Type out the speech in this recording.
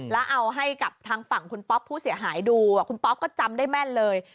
แล้วก็เอาให้ทางฝั่งครูคุณป๊อปผู้เสียหายดูแล้วก็จำได้แม่นเลย